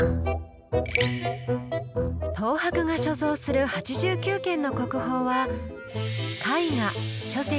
東博が所蔵する８９件の国宝は絵画書跡